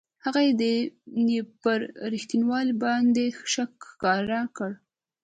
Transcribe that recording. هغه یې پر رښتینوالي باندې شک ښکاره کړ.